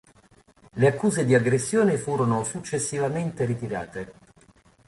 Le accuse di aggressione furono successivamente ritirate.